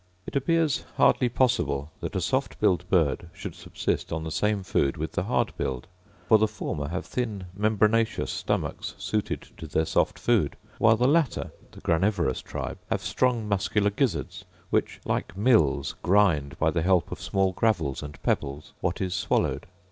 It appears hardly possible that a soft billed bird should subsist on the same food with the hard billed: for the former have thin membranaceous stomachs suited to their soft food; while the latter, the granivorous tribe, have strong muscular gizzards, which, like mills, grind, by the help of small gravels and pebbles, what is swallowed.